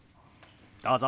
どうぞ。